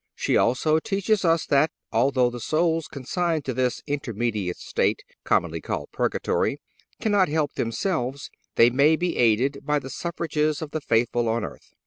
She also teaches us that, although the souls consigned to this intermediate state, commonly called purgatory, cannot help themselves, they may be aided by the suffrages of the faithful on earth.